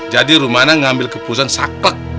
jadi rumana ngambil keputusan saklek